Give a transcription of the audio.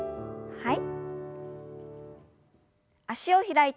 はい。